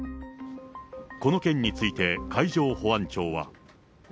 この件について、海上保安庁は。